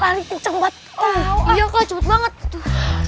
anak anak kiceng banget enggak tahu nyokot banget narrative